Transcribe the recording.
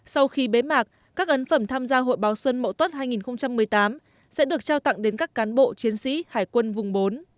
sau khi bế mạc các ấn phẩm tham gia hội báo xuân mậu tuất hai nghìn một mươi tám sẽ được trao tặng đến các cán bộ chiến sĩ hải quân vùng bốn